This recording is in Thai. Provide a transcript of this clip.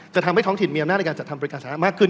จะทำให้ท้องถิ่นมีอำนาจการจัดทำบริการสามารถคืน